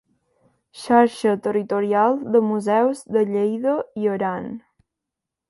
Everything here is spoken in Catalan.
Xarxa territorial de Museus de Lleida i Aran.